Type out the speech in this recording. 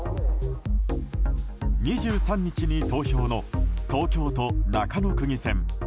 ２３日に投票の東京都中野区議選。